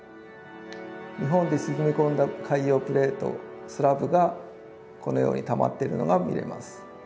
日本で沈み込んだ海洋プレートスラブがこのようにたまっているのが見れます。